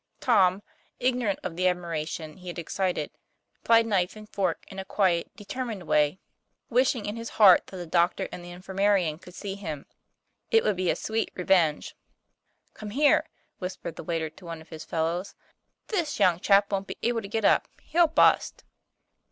Tom, ignorant of the admiration he had excited, plied knife and fork in a quiet, determined way, wishing in his heart that the doctor and infirmarian could see him. It would be a sweet revenge. "Come here," whispered the waiter to one of his fellows; "this young chap won't be able to get up. He'll bust."